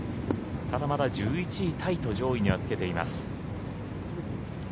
ただ、まだ１１位タイと上位にはつけています。